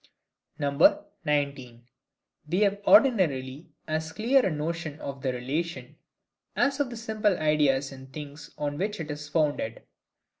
19. We have ordinarily as clear a Notion of the Relation, as of the simple ideas in things on which it is founded.